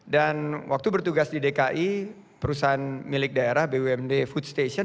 dan waktu bertugas di dki perusahaan milik daerah bumd food station